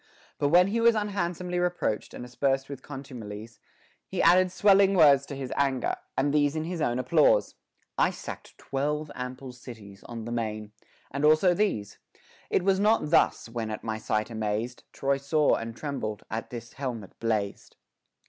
But when he was unhandsomely reproached and aspersed with contumelies, he added swelling words to his anger, and these in his own applause : I sacked twelve ample cities on the main ; and also these : It was not thus, when, at my sight amazed, Troy saw and trembled, as this helmet blazed.